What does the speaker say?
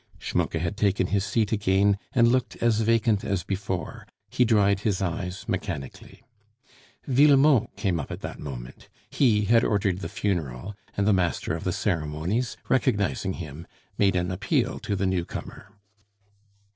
Schmucke had taken his seat again, and looked as vacant as before; he dried his eyes mechanically. Villemot came up at that moment; he had ordered the funeral, and the master of the ceremonies, recognizing him, made an appeal to the newcomer.